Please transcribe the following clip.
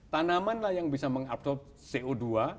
tanamanlah yang bisa mengabsorb co dua